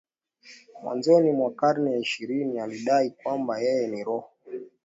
Mwanzoni mwa karne ya ishirini alidai kwamba yeye ni roho